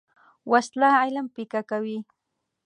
وسله علم پیکه کوي